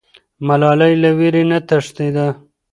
ملالۍ له ویرې نه تښتېده.